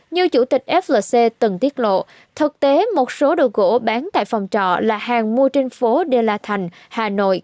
như chủ tịch flc từng tiết lộ thực tế một số đồ gỗ bán tại phòng trọ là hàng mua trên phố đê la thành hà nội